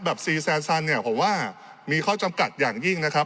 ซีแซนซันเนี่ยผมว่ามีข้อจำกัดอย่างยิ่งนะครับ